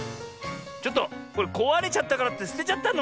ちょっとこれこわれちゃったからってすてちゃったの？